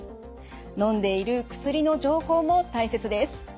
のんでいる薬の情報も大切です。